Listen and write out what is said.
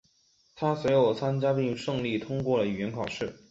他随后参加并顺利通过了语言考试。